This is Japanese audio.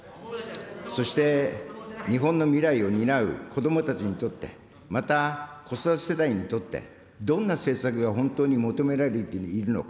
そして、日本の未来を担う子どもたちにとって、また子育て世代にとって、どんな政策が本当に求められているのか、